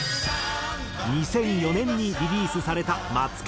２００４年にリリースされた『マツケンサンバⅡ』。